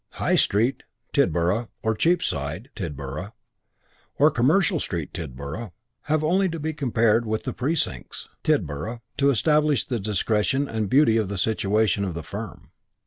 High Street, Tidborough, or Cheapside, Tidborough, or Commercial Street, Tidborough, have only to be compared with The Precincts, Tidborough, to establish the discretion and beauty of the situation of the firm.